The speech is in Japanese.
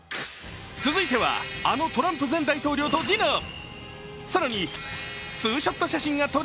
続いてはあのトランプ前大統領とディナー！？